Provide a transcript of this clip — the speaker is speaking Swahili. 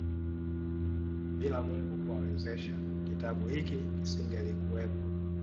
Bila Mungu kuwawezesha kitabu hiki kisingelikuwepo